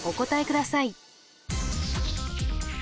ください